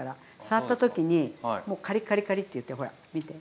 触った時にカリカリカリッていってほら見て。